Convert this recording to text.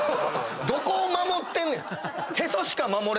どこを守ってんねん！